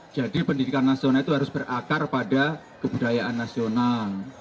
jadi pendidikan nasional itu harus berakar pada kebudayaan nasional